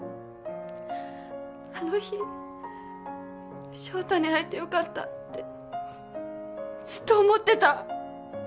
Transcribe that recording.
あの日翔太に会えてよかったってずっと思ってた。